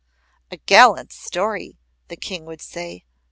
"A gallant story!" the King would say.